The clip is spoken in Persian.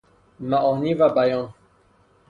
معانی و بیان